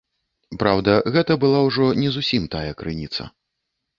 Праўда, гэта была ўжо не зусім тая крыніца.